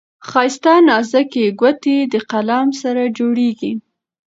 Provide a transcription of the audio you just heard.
ښايسته نازكي ګوتې دې قلم سره جوړیږي.